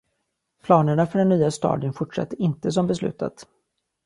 Planerna för den nya stadion fortsatte inte som beslutat.